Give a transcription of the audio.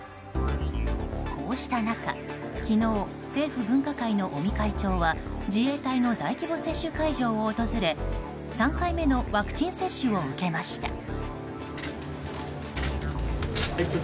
こうした中、昨日政府分科会の尾身会長は自衛隊の大規模接種会場を訪れ３回目のワクチン接種を受けました。